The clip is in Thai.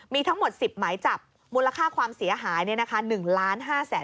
มีทั้งหมด๑๐ไหมจับมูลค่าความเสียหายเนี่ยนะคะ